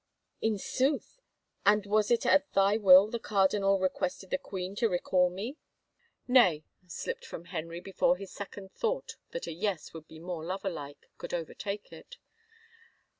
" Insooth !... And was it at thy will the cardinal requested the queen to recall me? "" Nay," slipped from Henry before his second thought that a yes would be more lover like, could overtake it.